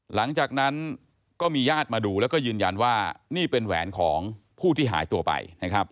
หลังจากนั้นก็มีญาติมาดูแล้วก็ยืนยันว่านี่เป็นแหวนของผู้ที่หายตัวไปนะครับ